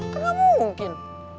kan gak mungkin